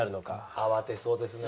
慌てそうですねえ。